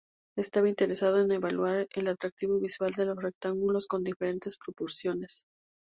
Estaba interesado en evaluar el atractivo visual de los rectángulos con diferentes proporciones.